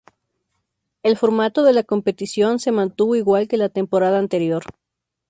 El formato de la competición se mantuvo igual que la temporada anterior.